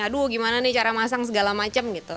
aduh gimana nih cara masang segala macam gitu